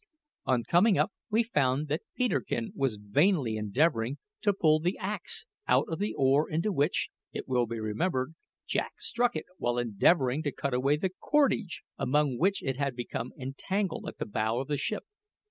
On coming up we found that Peterkin was vainly endeavouring to pull the axe out of the oar into which, it will be remembered, Jack struck it while endeavouring to cut away the cordage among which it had become entangled at the bow of the ship.